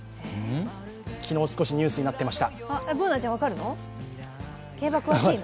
昨日少しニュースになっていました。